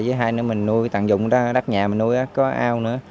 với hai nữa mình nuôi tặng dụng đó đắt nhà mình nuôi có ao nữa